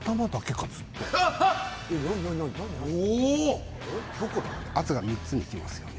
おおっ圧が３つにきますよね